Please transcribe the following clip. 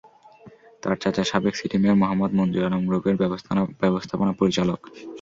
তাঁর চাচা সাবেক সিটি মেয়র মোহাম্মদ মনজুর আলম গ্রুপের ব্যবস্থাপনা পরিচালক।